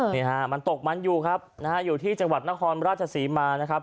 นี่ฮะมันตกมันอยู่ครับนะฮะอยู่ที่จังหวัดนครราชศรีมานะครับ